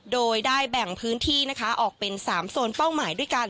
โดยได้แบ่งพื้นที่นะคะออกเป็น๓โซนเป้าหมายด้วยกัน